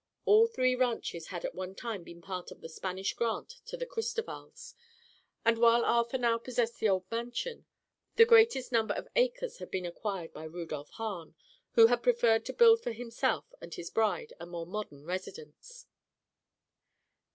All three ranches had at one time been part of the Spanish grant to the Cristovals, and while Arthur now possessed the old mansion, the greatest number of acres had been acquired by Rudolph Hahn, who had preferred to build for himself and his bride a more modern residence.